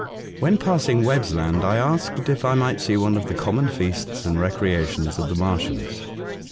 When passing Webb's Land, I asked if I might see one of the common feasts and recreations of the Martians.